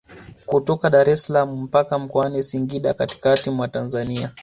Kutoka Daressalaam mpaka Mkoani Singida katikati mwa Tanzania